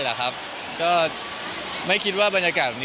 เพราะว่าเป็นสิ่งที่จะอยู่ข้างล่าง